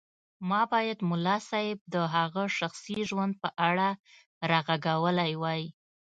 ما بايد ملا صيب د هغه شخصي ژوند په اړه راغږولی وای.